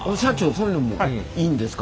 そういうのもいいんですか？